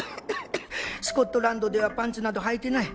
スコットランドではパンツなどはいてない。